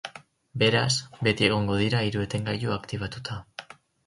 Beraz, beti egongo dira hiru etengailu aktibatuta.